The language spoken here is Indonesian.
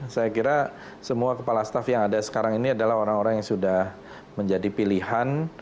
saya kira semua kepala staff yang ada sekarang ini adalah orang orang yang sudah menjadi pilihan